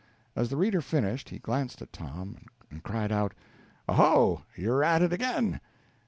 As the reader finished, he glanced at Tom, and cried out: "Oho, you're at it again!